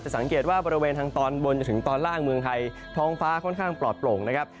สังเกตว่าบริเวณทางตอนบนจนถึงตอนล่างเมืองไทยท้องฟ้าค่อนข้างปลอดโปร่งนะครับ